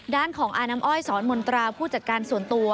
ด้านของอาน้ำอ้อยสอนมนตราผู้จัดการส่วนตัว